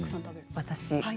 私？